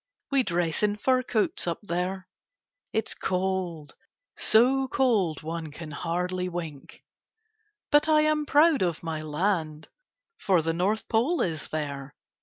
We dress in fur coats up there. It 's cold, so cold one can hardly wink. But I am proud of my land, for the North Pole is there.